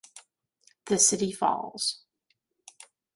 The city falls.